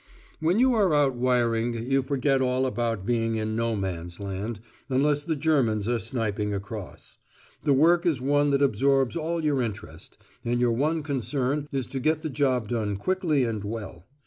When you are out wiring you forget all about being in No Man's Land, unless the Germans are sniping across. The work is one that absorbs all your interest, and your one concern is to get the job done quickly and well.